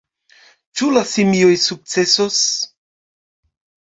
Ĉu la simioj sukcesos?